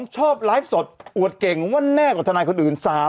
ชอบไลฟ์สดอวดเก่งว่าแน่กว่าทนายคนอื่น